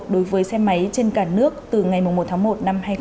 đối với xe máy trên cả nước từ ngày một tháng một năm hai nghìn một mươi sáu